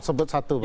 sebut satu pak